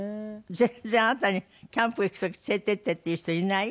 全然あなたに「キャンプ行く時連れてって」って言う人いない？